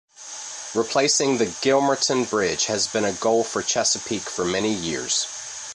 Replacing the Gilmerton Bridge has been a goal for Chesapeake for many years.